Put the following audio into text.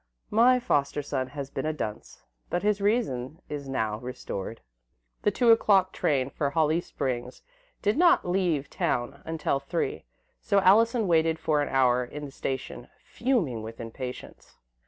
"My foster son has been a dunce, but his reason is now restored." The two o'clock train to Holly Springs did not leave town until three, so Allison waited for an hour in the station, fuming with impatience.